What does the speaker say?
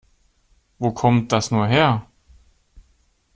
Wo kommt das nur her?